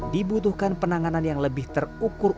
dibutuhkan penanganan yang lebih terukur